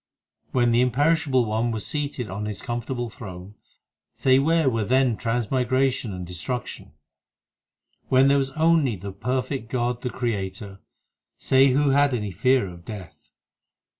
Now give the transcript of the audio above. HYMNS OF GURU ARJAN 261 3 When the Imperishable One was seated on His comfort able throne, Say where were then transmigration and destruction. When there was only the perfect God the Creator, Say who had any fear of Death.